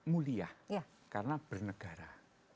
mulia karena bernegara